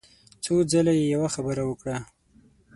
څو ځله يې يوه خبره وکړه.